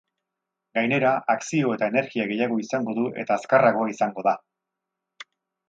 Gainera, akzio eta energia gehiago izango du eta azkarragoa izango da.